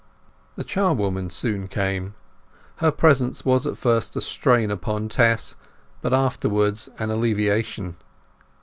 The charwoman soon came. Her presence was at first a strain upon Tess, but afterwards an alleviation.